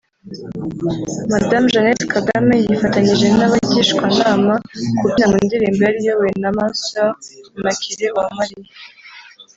Madame Jeannette Kagame yifatanyije n’abagishwanama kubyina mu ndirimbo yari iyobowe na Ma-Soeur Immaculee Uwamaliya